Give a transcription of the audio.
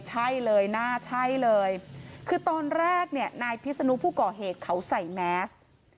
ใช่เลยน่าใช่เลยคือตอนแรกเนี่ยนายพิศนุผู้ก่อเหตุเขาใส่แมส